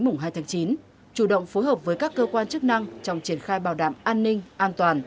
mùng hai tháng chín chủ động phối hợp với các cơ quan chức năng trong triển khai bảo đảm an ninh an toàn